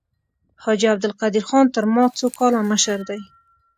حاجي عبدالقدیر خان تر ما څو کاله مشر دی.